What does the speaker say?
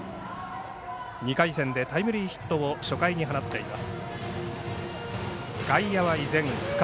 ２回戦でタイムリーヒットを初回に放っています。